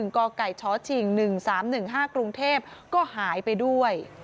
กไก่ชชิง๑๓๑๕กรุงเทพก็หายไปด้วย